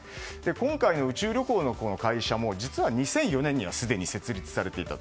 今回の宇宙旅行の会社も実は２００４年には設立されていた。